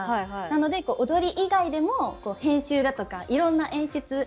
なので、踊り以外でも編集だとか、いろんな演出。